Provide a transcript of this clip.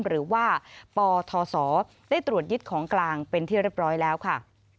หรือว่าปทศได้ตรวจยึดของกลางเป็นที่เรียบร้อยแล้วค่ะ